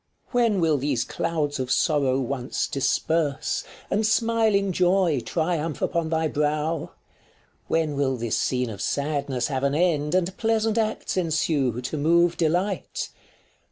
When will these clouds of sorrow once disperse, And smiling joy triumph upon thy brow ? When will this scene of sadness have an end,. And pleasant acts ensue, to move delight